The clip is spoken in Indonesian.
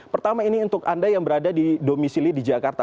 pertama ini untuk anda yang berada di domisili di jakarta